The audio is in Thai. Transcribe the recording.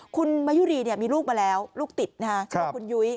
คุณมายุรีมีลูกมาแล้วลูกติดชื่อว่าคุณยุ้ย